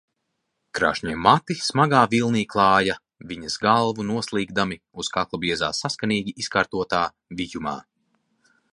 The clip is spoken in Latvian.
Krāšņie mati smagā vilnī klāja viņas galvu, noslīgdami uz kakla biezā, saskanīgi izkārtotā vijumā.